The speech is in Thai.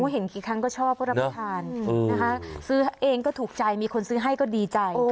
เห็นกี่ครั้งก็ชอบก็รับประทานนะคะซื้อเองก็ถูกใจมีคนซื้อให้ก็ดีใจ